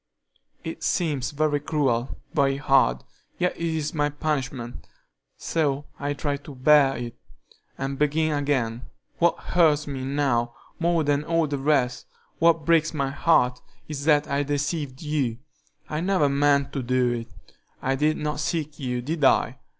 It seems very cruel, very hard, yet it is my punishment, so I try to bear it, and begin again. What hurts me now more than all the rest, what breaks my heart, is that I deceived you. I never meant to do it. I did not seek you, did I?